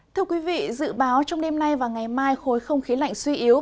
thưa quý vị dự báo trong đêm nay và ngày mai khối không khí lạnh suy yếu